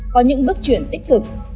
có những bước chuyển tích cực